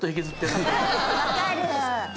分かる！